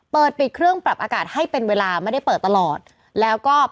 เปิดปิดเครื่องปรับอากาศให้เป็นเวลาไม่ได้เปิดตลอดแล้วก็